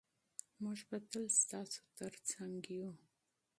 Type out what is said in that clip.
موږ به تل ستاسو ترڅنګ یو.